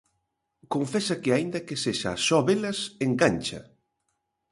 Confesa que aínda que sexa só velas, engancha.